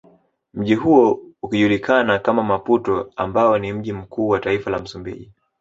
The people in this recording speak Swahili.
Mji huo ukijulikana kama Maputo ambao ni mji mkuu wa taifa la msumbiji